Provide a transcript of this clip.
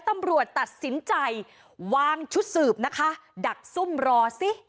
ตำรวจตัดสินใจวางชุดสืบนะคะดักซุ่มรอสิ